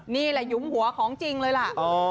นี่แหละหยุมหัวของจริงเลยล่ะ